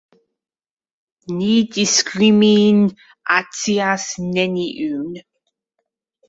Ni diskriminacias neniun!